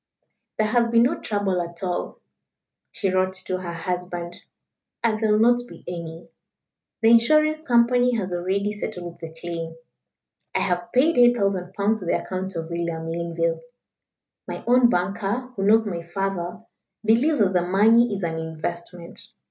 "There has been no trouble at all," she wrote to her husband; "and there will not be any. The insurance company has already settled the claim. I have paid 8,000 pounds to the account of William Linville. My own banker who knows my father believes that the money is an investment.